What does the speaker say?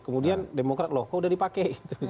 kemudian demokrat loh kok udah dipakai